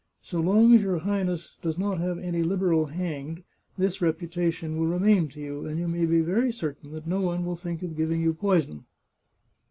So long as your Highness does not have any Liberal hanged, this reputation will remain to you, and you may be very certain that no one will think of giving you poison."